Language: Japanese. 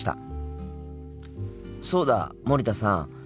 そうだ森田さん。